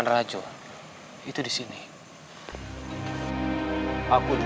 saya mending sesuai perbuatan